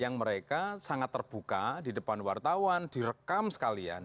karena sangat terbuka di depan wartawan direkam sekalian